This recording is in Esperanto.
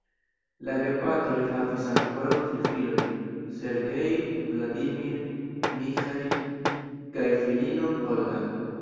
La gepatroj havis ankoraŭ tri filojn: "Sergej", "Vladimir", "Miĥail" kaj filinon "Olga".